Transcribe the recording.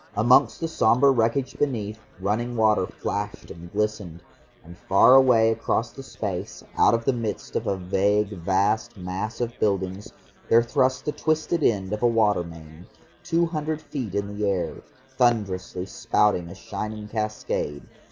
Amongst the sombre wreckage beneath, running water flashed and glistened, and far away across the space, out of the midst of a vague vast mass of buildings, there thrust the twisted end of a water main, two hundred feet in the air, thunderously spouting a shining cascade.